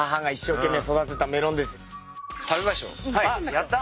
やった。